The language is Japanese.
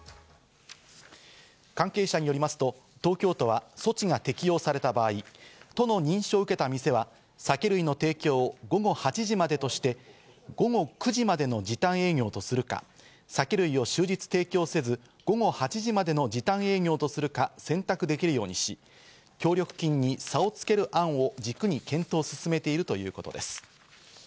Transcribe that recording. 関係者によりますと、東京都は措置が適用された場合、都の認証を受けた店は酒類の提供を午後８時までとして、午後９時までの時短営業とするか、酒類を終日提供せず午後８時までの時短営業とするか選択できるようにし、協力金に差をつける案を軸に検討を進めているということです。